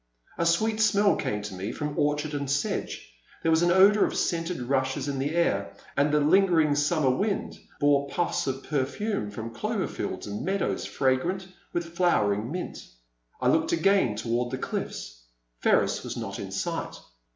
A sweet smell came to me from orchard and sedge ; there was an odour of scented rushes in the air, and the lingering summer wind bore pufis of perfume from clover fields and meadows fragrant with flowering mint. I looked again toward the cliff's. Ferris was not in sight.